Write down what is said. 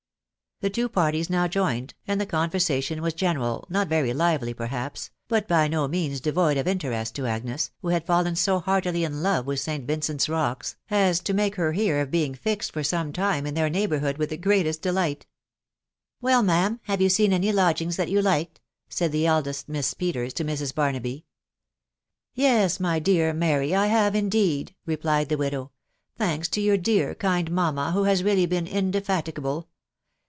The two parties now joined, and the conversation was ge neral, not very lively perhaps, but by no means devoid of interest to Agnes, who had fallen so heartily in love with St. Vincent's rocks, as to make her hear of being fixed for some time in their neighbourhood with, the greatest delight* " WelJ, ma'am, have you seen any lodgings that ^o\x liked? H Mdid the eldest Miss Peters to Mr*.Bax\ttta^% <c « \%6 THE WIDOW BAJLKABY. u Yes, my tlear Mary, I have, indeed/' replied the widow ;" thanks to your dear kind mamma, who has really been iade* fatigable.